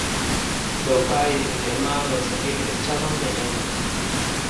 Meu pai, miña irmá, meus amigos chámanme nena